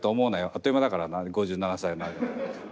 あっという間だからな５７歳まで。